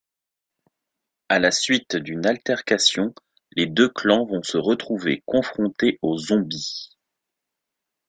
À la suite d'une altercation, les deux clans vont se retrouver confrontés aux zombies.